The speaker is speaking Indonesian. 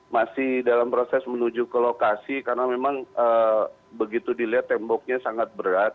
masih dalam proses menuju ke lokasi karena memang begitu dilihat temboknya sangat berat